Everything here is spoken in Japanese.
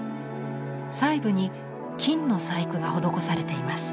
細部に金の細工が施されています。